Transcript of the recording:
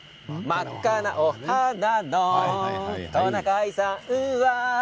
「真っ赤なお鼻のトナカイさんは」